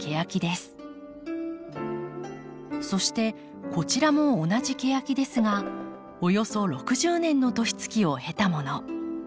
そしてこちらも同じケヤキですがおよそ６０年の年月を経たもの。